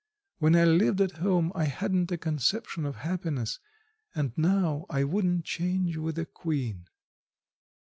When I lived at home I hadn't a conception of happiness, and now I wouldn't change with a queen."